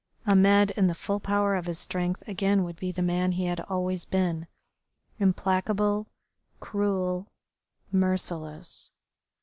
Ahmed in the full power of his strength again would be the man he had always been, implacable, cruel, merciless.